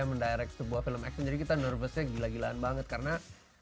mendirect sebuah film action jadi kita nervousnya gila gilaan banget karena